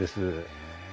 へえ。